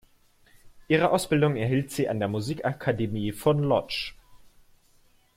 Ihre Ausbildung erhielt sie an der Musikakademie von Łódź.